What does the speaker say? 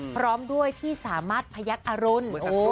พร้อมด้วยพี่สามารถพญัติอารน